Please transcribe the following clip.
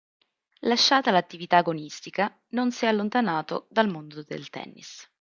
Lasciata l'attività agonistica non si è allontanato dal mondo del tennis.